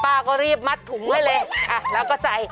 ป้าก็รีบมัดถุงไว้เลยอ่ะแล้วก็ใส่